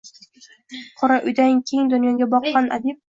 Qora uydan keng dunyoga boqqan adib